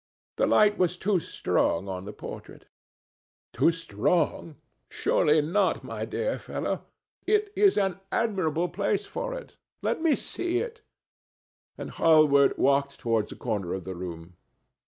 The light was too strong on the portrait." "Too strong! Surely not, my dear fellow? It is an admirable place for it. Let me see it." And Hallward walked towards the corner of the room.